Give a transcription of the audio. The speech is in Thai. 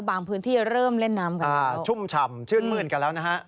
พื้นที่เริ่มเล่นน้ำกันอ่าชุ่มฉ่ำชื่นมื้นกันแล้วนะฮะ